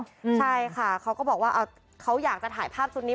ใช่ค่ะเขาก็บอกว่าเขาอยากจะถ่ายภาพชุดนี้